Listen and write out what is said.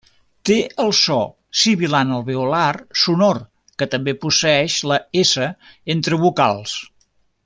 Té el so sibilant alveolar sonor que també posseeix la s entre vocals.